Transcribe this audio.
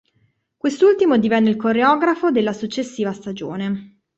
Quest'ultimo divenne il coreografo della successiva stagione.